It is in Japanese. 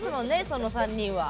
その３人は。